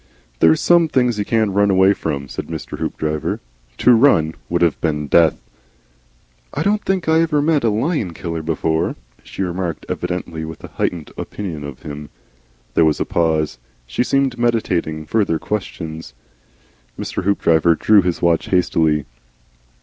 "There's some things you can't run away from," said Mr. Hoopdriver. "To run would have been Death." "I don't think I ever met a lion killer before," she remarked, evidently with a heightened opinion of him. There was a pause. She seemed meditating further questions. Mr. Hoopdriver drew his watch hastily.